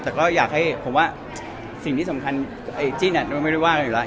แต่ก็อยากให้ผมว่าสิ่งที่สำคัญไอ้จิ้นก็ไม่ได้ว่ากันอยู่แล้ว